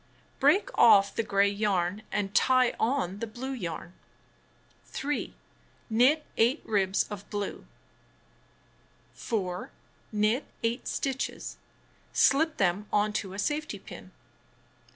Break off the gray yam and tie on the blue yam .. 3. Knit 8 ribs of blue. 4. Knit 8 stitches. Slip them on to a safety pin.